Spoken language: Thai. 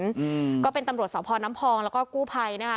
อืมก็เป็นตำรวจสพน้ำพองแล้วก็กู้ภัยนะคะ